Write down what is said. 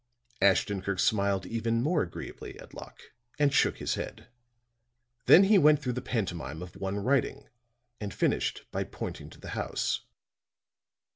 Ashton Kirk smiled even more agreeably at Locke and shook his head. Then he went through the pantomime of one writing, and finished by pointing to the house.